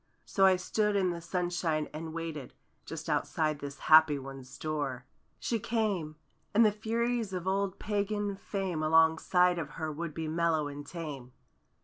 So I stood in the sunshine and waited— Just outside this happy one's door. She came! And the Furies of old Pagan fame Alongside of her would be mellow and tame.